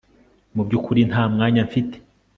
Mubyukuri nta mwanya mfite